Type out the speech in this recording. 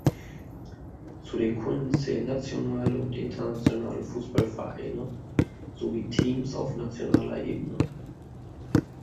Zu den Kunden zählen nationale und internationale Fußballvereine sowie Teams auf nationaler Ebene.